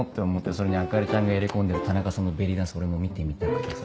それに朱里ちゃんが入れ込んでる田中さんのベリーダンス俺も見てみたくてさ。